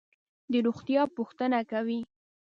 د روغتیا پوښتنه کوي.